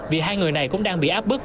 vì hai người này cũng đang bị áp bức